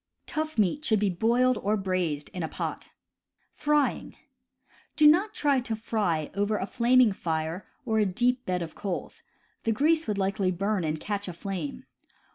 Tough meat should be boiled or braised in a pot. Do not try to fry over a flaming fire or a deep bed of coals; the grease would likely burn and catch aflame.